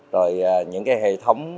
rồi những cái hệ thống